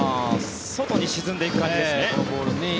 外に沈んでいく感じですね。